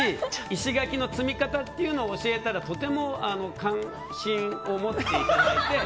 石垣の積み方というのを教えたらとても関心を持っていただいて。